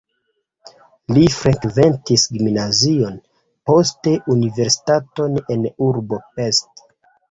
Li frekventis gimnazion, poste universitaton en urbo Pest.